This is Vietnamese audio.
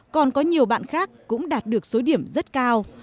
còn có nhiều bạn khác cũng đạt được số điểm rất cao